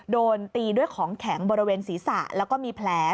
โดนตีด้วยของแข็งบริเวณศีรษะแล้วก็มีแผล